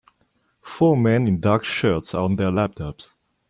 four men in dark shirts are on their laptops.